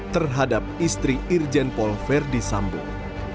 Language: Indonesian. terhadap istri irjen paul verdi sambung